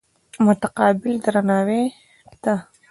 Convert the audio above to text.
متقابل درناوي ته.